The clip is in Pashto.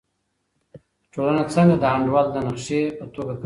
ټولنه څنګه د انډول د نقشې په توګه کاروي؟